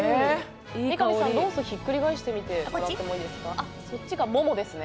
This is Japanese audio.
三上さん、ロースひっくり返してみてもらっていいですか。